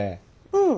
うん。